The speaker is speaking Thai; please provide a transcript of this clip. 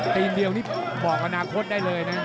เดียวนี่บอกอนาคตได้เลยนะ